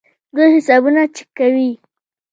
دوی حسابونه چک کوي.